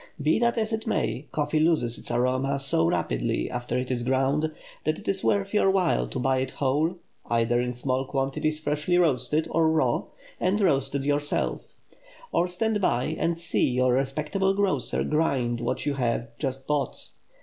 Be that as it may, coffee loses its aroma so rapidly after it is ground that it is worth your while to buy it whole, either in small quantities freshly roasted, or raw, and roast it yourself; or stand by and see your respectable grocer grind what you have just bought.